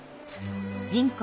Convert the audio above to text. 人口